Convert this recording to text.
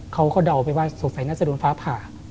เขาก็เดาไปว่าสงสัยน่าจะโดนฟ้าผ่า